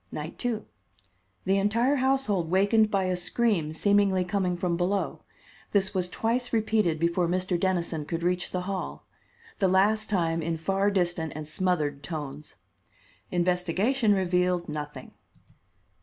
Night 2: The entire household wakened by a scream seemingly coming from below. This was twice repeated before Mr. Dennison could reach the hall; the last time in far distant and smothered tones. Investigation revealed nothing.